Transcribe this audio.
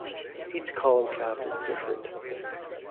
Each column cap is different.